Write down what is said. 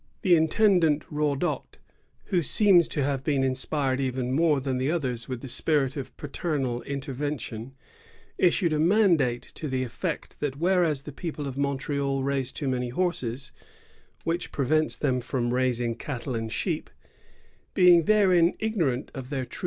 The intendant Raudot, who seems to have been inspired even more than the others with the spirit of paternal intervention, issued a mandate to the effect, that, whereas the people of Montreal raise too many horses, which prevents them from raising cattle and sheep, " being therein ignorant of their true interest.